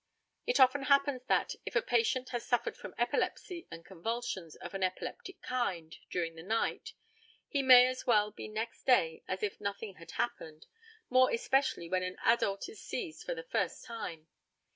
It often happens that if a patient has suffered from epilepsy and convulsions of an epileptic kind during the night, he may be as well next day as if nothing had happened, more especially when an adult is seized for the first time.